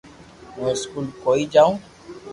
ھون اسڪول ڪوئي جاو